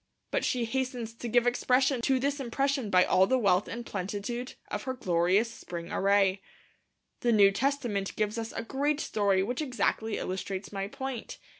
But she hastens to give expression to this impression by all the wealth and plenitude of her glorious spring array. The New Testament gives us a great story which exactly illustrates my point.